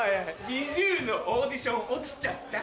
ＮｉｚｉＵのオーディション落ちちゃった。